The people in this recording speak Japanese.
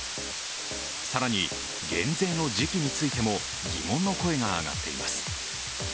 更に、減税の時期についても疑問の声が上がっています。